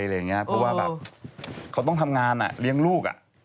เพราะว่าแบบเขาต้องทำงานเลี้ยงลูก